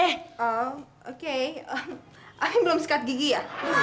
oh oke eh abi belum sekat gigi ya